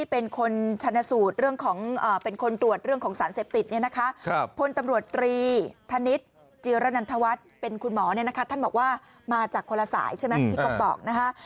พระนัทวัตริย์เป็นคุณหมอท่านบอกว่ามาจากคนละสายใช่ไหมที่ก็บอกนะคะ